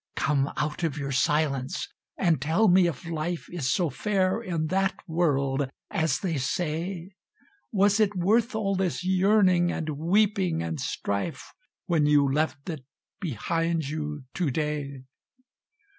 "Come out of your silence and tell me if Life Is so fair in that world as they say; Was it worth all this yearning, and weeping, and strife When you left it behind you to day?